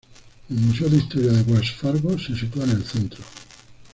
El Museo de Historia de Wells Fargo se sitúa en el centro.